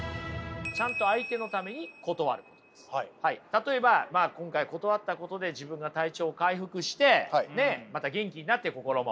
例えば今回断ったことで自分が体調を回復してまた元気になって心も。